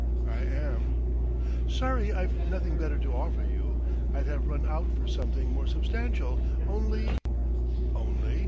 "I am." "Sorry I've nothing better to offer you. I'd have run out for something more substantial, only " "Only